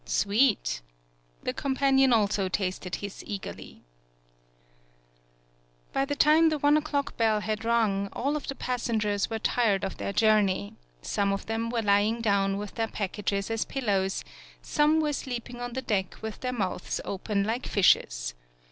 "Sweet!" The companion also tasted his eagerly. 152 TSUGARU STRAIT By the time the one o'clock bell had rung, all of the passengers were tired of their journey; some of them were ly ing down with their packages as pil lows, some were sleeping on the deck with their mouths open like fishes.